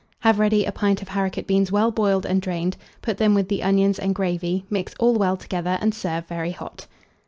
Have ready a pint of haricot beans well boiled and drained; put them with the onions and gravy, mix all well together, and serve very hot.